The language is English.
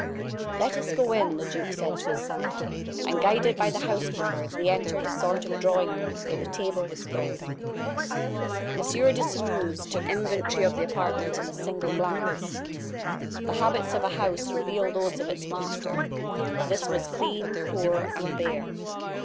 "Let us go in," the duke said to his son. And guided by the housekeeper, they entered a sort of drawing room, where the table was spread. M. de Sairmeuse took an inventory of the apartment in a single glance. The habits of a house reveal those of its master. This was clean, poor, and bare.